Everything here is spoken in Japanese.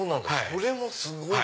それもすごいな。